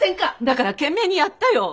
だから懸命にやったよ！